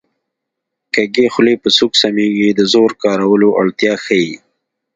کږې خولې په سوک سمېږي د زور کارولو اړتیا ښيي